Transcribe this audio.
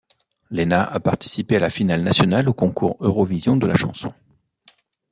Lenna a participé à la finale nationale au Concours Eurovision de la chanson.